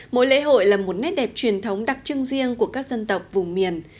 mỗi lễ hội là một nét đẹp truyền thống đặc trưng riêng của các dân tộc vùng miền